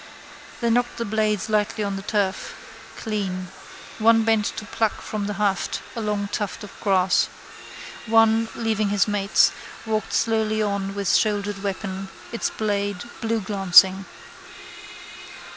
Then knocked the blades lightly on the turf: clean. One bent to pluck from the haft a long tuft of grass. One, leaving his mates, walked slowly on with shouldered weapon, its blade blueglancing.